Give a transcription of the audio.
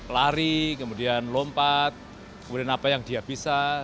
lari kemudian lompat kemudian apa yang dia bisa